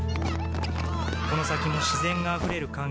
この先も自然があふれる環境を